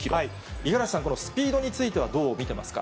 五十嵐さん、このスピードについては、どう見てますか。